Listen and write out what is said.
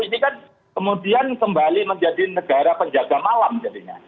ini kan kemudian kembali menjadi negara penjaga malam jadinya